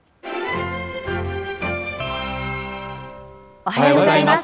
おはようございます。